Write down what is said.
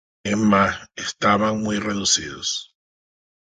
Es más, estaban muy reducidos.